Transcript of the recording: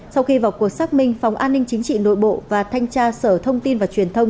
sau khi vào cuộc xác minh phòng an ninh chính trị nội bộ và thanh tra sở thông tin và truyền thông